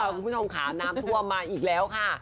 คุณผู้ชมค่ะน้ำท่วมมาอีกแล้วค่ะ